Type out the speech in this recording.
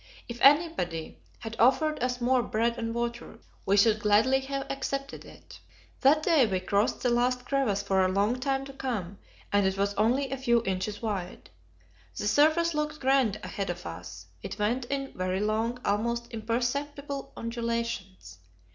It anybody had offered us more "bread and water," we should gladly have accepted it. That day we crossed the last crevasse for a long time to come, and it was only a few inches wide. The surface looked grand ahead of us; it went in very long, almost imperceptible undulations.